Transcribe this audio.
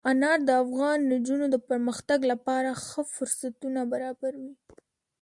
انار د افغان نجونو د پرمختګ لپاره ښه فرصتونه برابروي.